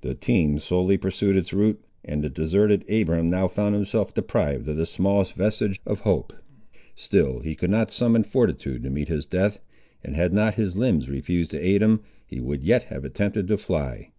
The team slowly pursued its route, and the deserted Abiram now found himself deprived of the smallest vestige of hope. Still he could not summon fortitude to meet his death, and had not his limbs refused to aid him, he would yet have attempted to fly.